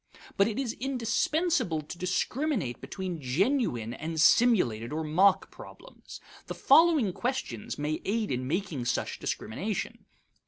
But it is indispensable to discriminate between genuine and simulated or mock problems. The following questions may aid in making such discrimination.